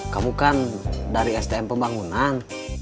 kamu kan dari sdm pembangunan